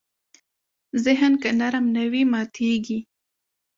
ذهن که نرم نه وي، ماتېږي.